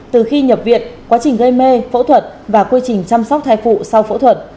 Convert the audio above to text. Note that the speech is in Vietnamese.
từ khi nhập viện quá trình gây mê phẫu thuật và quy trình chăm sóc thai phụ sau phẫu thuật